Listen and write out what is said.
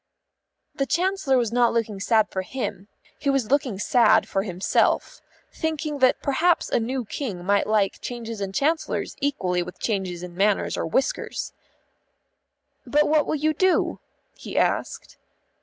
The Chancellor was not looking sad for him; he was looking sad for himself, thinking that perhaps a new King might like changes in Chancellors equally with changes in manners or whiskers. "But what will you do?" he asked.